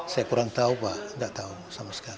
saya kurang tahu pak tidak tahu sama sekali